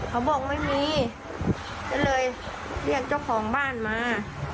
เขาบอกไม่มีก็เลยเรียกเจ้าของบ้านมา